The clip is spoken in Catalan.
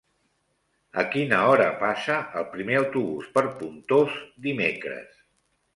A quina hora passa el primer autobús per Pontós dimecres?